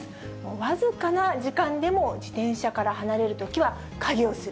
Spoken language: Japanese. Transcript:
僅かな時間でも自転車から離れるときは鍵をする。